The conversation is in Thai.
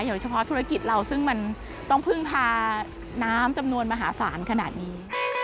เฉพาะธุรกิจเราซึ่งมันต้องพึ่งพาน้ำจำนวนมหาศาลขนาดนี้